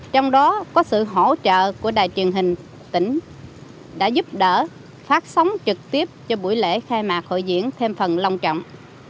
trong đó có sự hỗ trợ của đài truyền hình tỉnh đã giúp đỡ phát sóng trực tiếp cho buổi lễ khai mạc hội diễn thêm phần long trọng